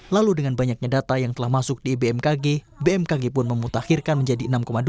lalu dengan banyaknya data yang telah masuk di bmkg bmkg pun memutakhirkan menjadi enam dua